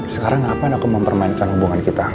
sekarang kapan aku mempermainkan hubungan kita